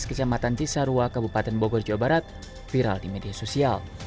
kecamatan cisarua kabupaten bogor jawa barat viral di media sosial